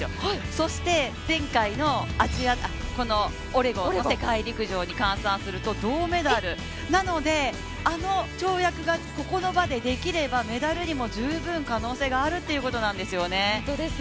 そして、このオレゴン世界陸上に換算すると銅メダルなので、あの跳躍がここの場でできればメダルにも十分可能性があるということなんですよね。